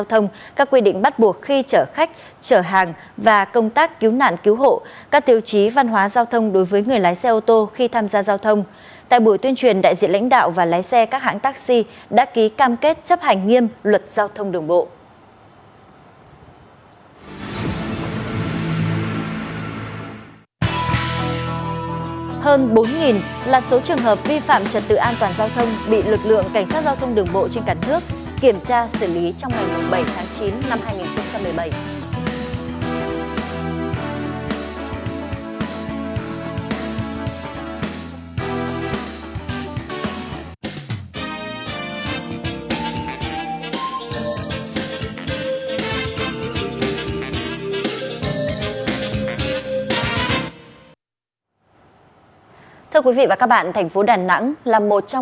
hơn bốn là số trường hợp vi phạm trật tự an toàn giao thông bị lực lượng cảnh sát giao thông bị lực lượng cảnh sát giao thông bộ trên cả nước kiểm tra xử lý trong ngày bảy tháng chín năm hai nghìn một mươi bảy